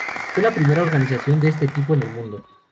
Fue la primera organización de ese tipo en el mundo.